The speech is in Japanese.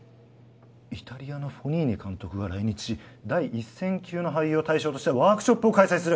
イタリアのフォニーニ監督が来日し第一線級の俳優を対象としたワークショップを開催する！